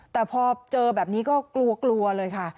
แต่พอเจอแบบนี้ก็กลัวกลัวเลยค่ะ